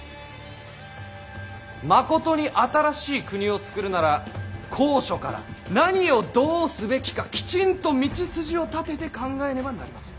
まことに新しい国を作るなら高所から何をどうすべきかきちんと道筋を立てて考えねばなりません。